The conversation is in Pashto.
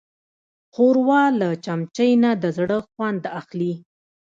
ښوروا له چمچۍ نه د زړه خوند اخلي.